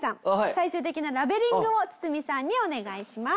最終的なラベリングをツツミさんにお願いします。